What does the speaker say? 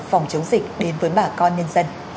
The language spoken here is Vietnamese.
phòng chống dịch đến với bà con nhân dân